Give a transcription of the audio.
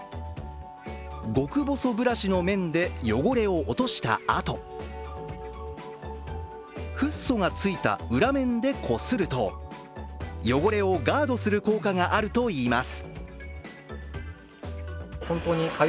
極細ブラシの面で汚れを落としたあと、フッ素がついた裏面でこすると、汚れをガードする効果があるといいます。